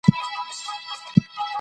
نور به وه ميني ته شعرونه ليكلو